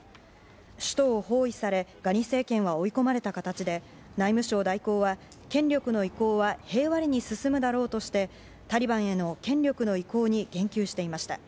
首都を包囲されガニ政権は追い込まれた形で内務相代行は、権力の移行は平和裏に進むだろうとしてタリバンへの権力の移行に言及していました。